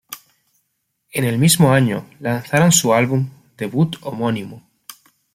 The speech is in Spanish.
En el mismo año lanzaron su álbum debut homónimo.